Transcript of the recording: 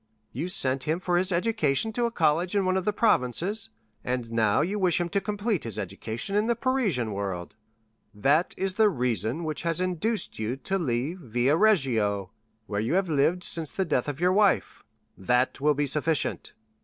You sent him for his education to a college in one of the provinces, and now you wish him to complete his education in the Parisian world. That is the reason which has induced you to leave Via Reggio, where you have lived since the death of your wife. That will be sufficient."